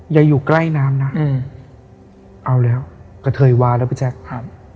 อย่าอยู่ใกล้น้ำนะอืมเอาแล้วกระเทยวาแล้วพี่แจ๊คครับ